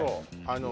あの